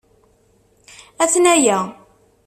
Atnaya.